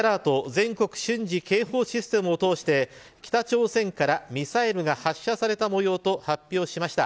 全国瞬時警報システムを通して北朝鮮からミサイルが発射された模様と発表しました。